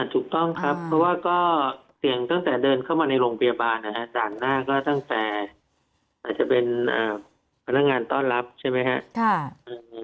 ถูกต้องครับเพราะว่าก็เสี่ยงตั้งแต่เดินเข้ามาในโรงพยาบาลต่างหน้าก็ตั้งแต่อาจจะเป็นพนักงานต้อนรับใช่ไหมครับ